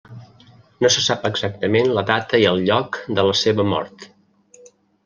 No se sap exactament la data i el lloc de la seva mort.